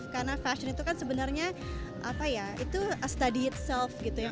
karena fashion itu kan sebenarnya apa ya itu a study itself gitu ya